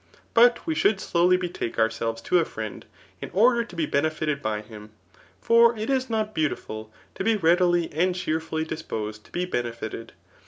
But wo ahould slowly betake ourselves to a friend, in order to be benefited by him ; for it is not beautiful to be readily and cheerfiilly (disposed to be benefited.